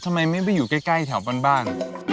ทำไมไม่ไปอยู่ใกล้แถวบ้าน